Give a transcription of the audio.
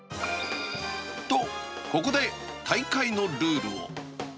と、ここで大会のルールを。